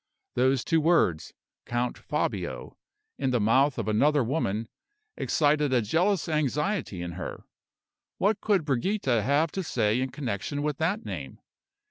Those two words, "Count Fabio," in the mouth of another woman, excited a jealous anxiety in her. What could Brigida have to say in connection with that name?